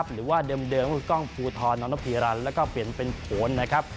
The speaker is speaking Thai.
หรือว่าเดิมก็คือกล้องภูทรนพีรันแล้วก็เปลี่ยนเป็นโขนนะครับ